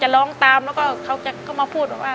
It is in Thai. ร้องตามแล้วก็เขาก็มาพูดบอกว่า